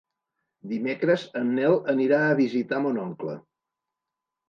Dimecres en Nel anirà a visitar mon oncle.